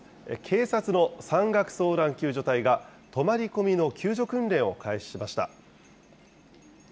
警察の山岳遭難救助隊が泊まり込みの救助訓練を開始しました。